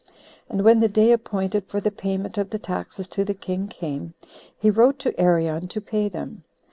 And when the day appointed for the payment of the taxes to the king came, he wrote to Arion to pay them.